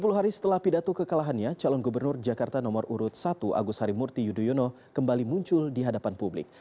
sepuluh hari setelah pidato kekalahannya calon gubernur jakarta nomor urut satu agus harimurti yudhoyono kembali muncul di hadapan publik